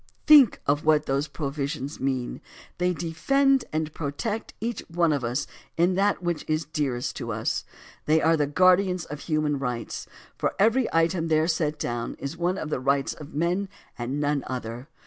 Think of what those provisions mean. They defend and protect each one of us in that which is dearest to us. They are the guardians of human rights, for every item there set down is one of the rights of men and none other.